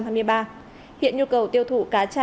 hiện nhu cầu tiêu thụ cá tra